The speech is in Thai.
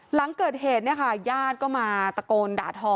หลังเกิดเหตุเนี่ยค่ะญาติก็มาตะโกนด่าทอ